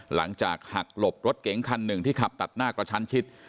หลังจากหักหลบรถเก๋งคันหนึ่งที่ขับตัดหน้ากระชั้นชิด